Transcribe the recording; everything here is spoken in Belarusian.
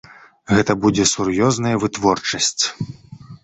Гэта будзе сур'ёзная вытворчасць.